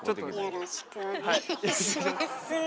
よろしくお願いします。